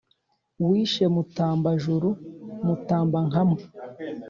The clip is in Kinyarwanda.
wishe mutamba-juru, mutamba-nkamwa